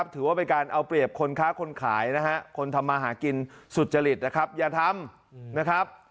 ถือว่าเป็นการเอาเปรียบคนค้าคนขายคนทำมาหากินสุจริตอย่าทำ